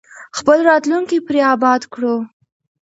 خپل راتلونکی پرې اباد کړو.